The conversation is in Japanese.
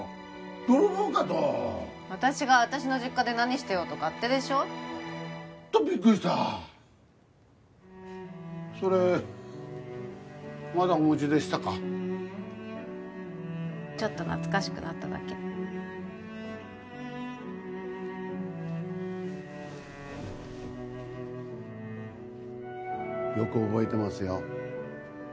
泥棒かと私が私の実家で何してようと勝手でしょホントびっくりしたそれまだお持ちでしたかちょっと懐かしくなっただけよく覚えてますよ